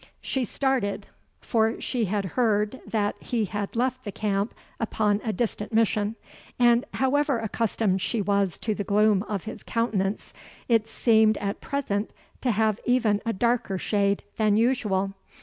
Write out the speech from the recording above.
She started, for she had heard that he had left the camp upon a distant mission; and, however accustomed she was to the gloom of his countenance, it seemed at present to have even a darker shade than usual.